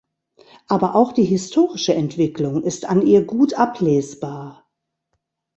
Aber auch die historische Entwicklung ist an ihr gut ablesbar.